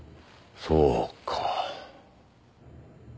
そうか。